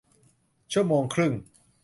ชั่วโมงครึ่ง